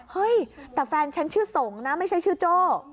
เฮ้ยแต่แฟนฉันชื่อสงฆ์นะไม่ใช่ชื่อโจ้